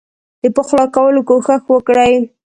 د پخلا کولو کوښښ وکړي.